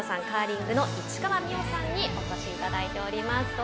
カーリングの市川美余さんにお越しいただいております。